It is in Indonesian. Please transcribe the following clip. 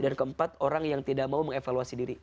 dan keempat orang yang tidak mau mengevaluasi diri